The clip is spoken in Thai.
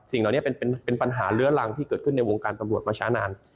สิ่งเหล่านี้เป็นปัญหาเลื้อรังที่เกิดขึ้นในวงการตำรวจมาช้านาน